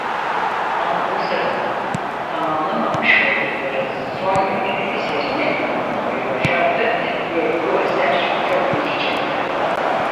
Ama bu sırada tamamlamamış oldukları "Son Yargı" eserini tamamlamayı başardı ve bu eser çok ilgi çekti.